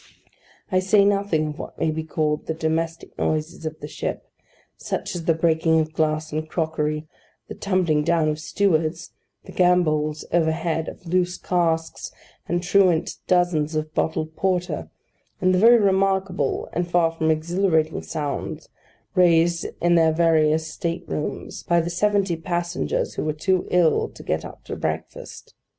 I say nothing of what may be called the domestic noises of the ship: such as the breaking of glass and crockery, the tumbling down of stewards, the gambols, overhead, of loose casks and truant dozens of bottled porter, and the very remarkable and far from exhilarating sounds raised in their various state rooms by the seventy passengers who were too ill to get up to breakfast.